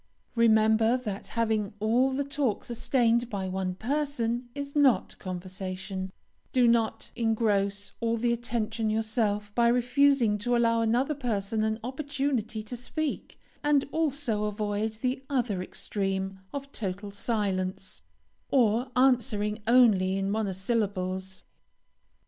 Remember that having all the talk sustained by one person is not conversation; do not engross all the attention yourself, by refusing to allow another person an opportunity to speak, and also avoid the other extreme of total silence, or answering only in monosyllables.